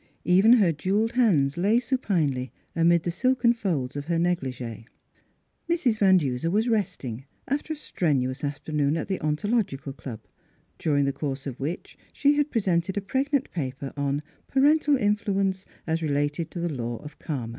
Even her jewelled hands lay supinely amid the silken folds of her negligee. Mrs. Van Duser was resting after a strenuous afternoon at the Ontological Club, during the course of which she had presented a pregnant paper on "Parental Influence as related to the Law of Karma."